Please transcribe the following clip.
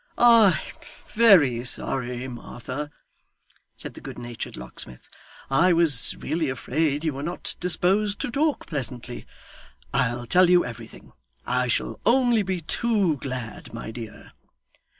'I am very sorry, Martha,' said the good natured locksmith. 'I was really afraid you were not disposed to talk pleasantly; I'll tell you everything; I shall only be too glad, my dear.